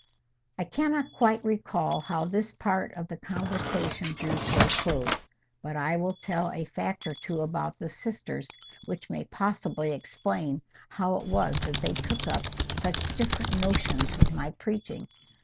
I cannot quite recall how this part of the conversation drew to a close. But I will tell a fact or two about the sisters which may possibly explain how it was that they took up such different notions of my preaching.